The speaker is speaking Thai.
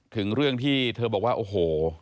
ถึงเรื่องที่เธอบอกว่าโอ้โห